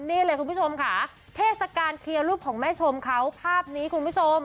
นี่เลยคุณผู้ชมค่ะเทศกาลเคลียร์รูปของแม่ชมเขาภาพนี้คุณผู้ชม